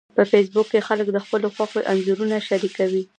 په فېسبوک کې خلک د خپلو خوښیو انځورونه شریکوي